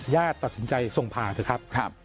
ตัดสินใจส่งผ่าเถอะครับ